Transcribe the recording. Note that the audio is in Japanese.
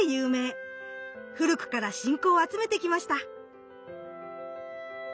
古くから信仰を集めてきました。